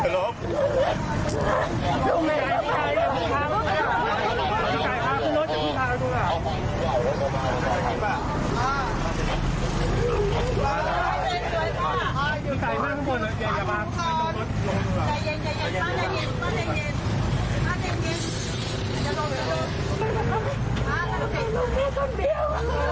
ลูกแม่คนเดียว